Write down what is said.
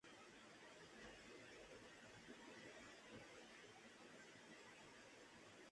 Se interpreta muy ocasionalmente.